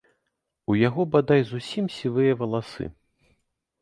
У яго, бадай, зусім сівыя валасы.